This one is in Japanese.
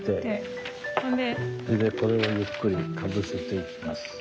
それでこれをゆっくりかぶせていきます。